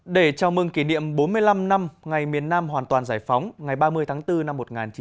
để chào mừng kỷ niệm bốn mươi năm năm ngày miền nam hoàn toàn giải phóng ngày ba mươi tháng bốn năm một nghìn chín trăm bảy mươi năm